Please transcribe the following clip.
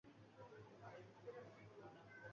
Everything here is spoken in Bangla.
গৌরনদী বেশ কয়েকটি খেলার মাঠ রয়েছে।